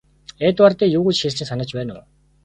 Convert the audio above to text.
Эдвардын юу гэж хэлснийг санаж байна уу?